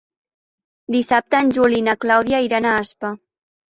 Dissabte en Juli i na Clàudia iran a Aspa.